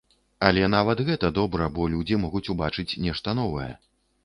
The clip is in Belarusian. Але нават гэта добра, бо людзі могуць ўбачыць нешта новае.